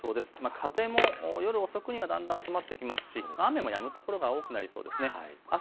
風も夜遅くにはだんだん収まってきますし、雨もやむ所が多くなりそうです。